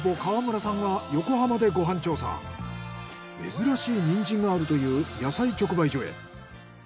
珍しいニンジンがあるという野菜直売所へ。